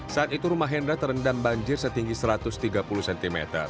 saat itu rumah hendra terendam banjir setinggi satu ratus tiga puluh cm